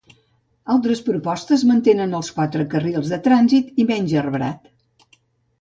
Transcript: Altres propostes mantenen els quatre carrils de trànsit i menys arbrat.